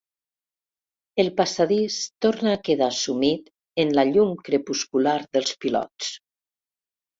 El passadís torna a quedar sumit en la llum crepuscular dels pilots.